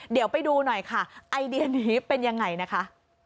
เดี๋ยวไปดูหน่อยค่ะไอเดียนี้เป็นยังไงนะคะ